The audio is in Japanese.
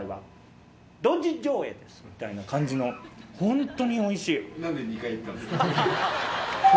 みたいな感じのホントにおいしい。